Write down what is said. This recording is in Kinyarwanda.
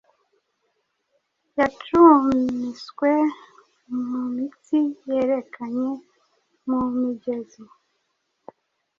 Yacumiswe mu mitsi yerekanye mu migezi